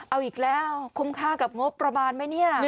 เอาอีกแล้วคุ้มค่ากับงบประมาณไหมเนี่ย